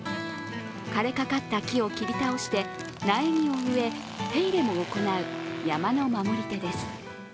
枯れかかった木を切り倒して、苗木を植え、手入れも行う山の守り手です。